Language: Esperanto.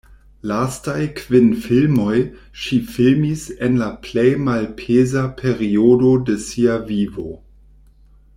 Lastaj kvin filmoj ŝi filmis en la plej malpeza periodo de sia vivo.